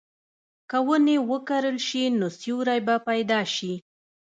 که ونې وکرل شي، نو سیوری به پیدا شي.